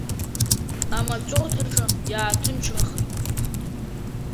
Амаҵурҭаҿы иааҭынчрахеит.